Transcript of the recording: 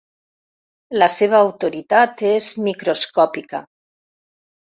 La seva autoritat és microscòpica.